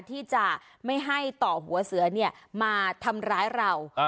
ที่จะไม่ให้ต่อหัวเสือมาทำร้ายเรา